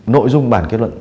nội dung bản kết luận